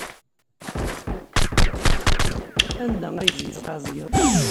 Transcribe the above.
Anda ay tent-tesɛeẓgeḍ?